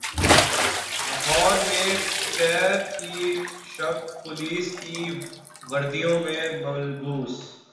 لاہور میں پیر کی شب پولیس کی وردیوں میں ملبوس